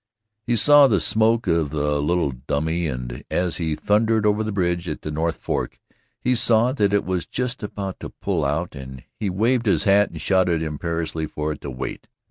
He saw the smoke of the little dummy and, as he thundered over the bridge of the North Fork, he saw that it was just about to pull out and he waved his hat and shouted imperiously for it to wait.